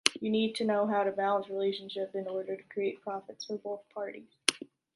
You need to know how to balance the relationship in order to create profits for both parties.